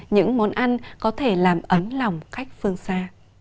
những món ăn có thể làm ấm lòng cách phương xa